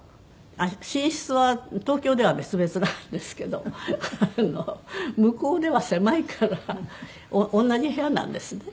寝室は東京では別々なんですけど向こうでは狭いから同じ部屋なんですね。